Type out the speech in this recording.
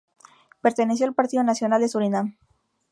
Perteneció al Partido Nacional de Surinam.